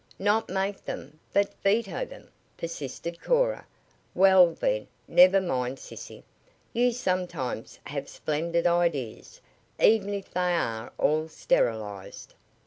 "Not make them; but veto them," persisted Cora. "Well, then, never mind, sissy. You sometimes have splendid ideas, even if they are all sterilized."